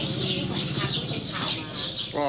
ก็บ่อยเยอะน่ะ